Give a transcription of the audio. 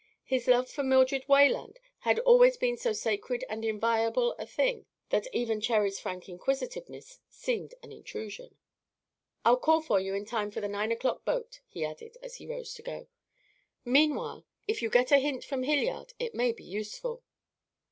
His love for Mildred Wayland had always been so sacred and inviolable a thing that even Cherry's frank inquisitiveness seemed an intrusion. "I'll call for you in time for the nine o'clock boat," he added, as he arose to go. "Meanwhile, if you get a hint from Hilliard, it may be useful."